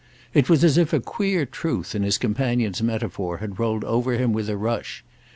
It was as if a queer truth in his companion's metaphor had rolled over him with a rush.